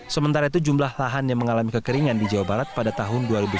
sementara itu jumlah lahan yang mengalami kekeringan di jawa barat pada tahun dua ribu enam belas